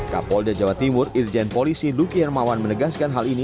kapolda jawa timur irjen polisi duki hermawan menegaskan hal ini